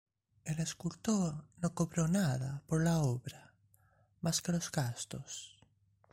El escultor no cobró nada por la obra, más que los gastos.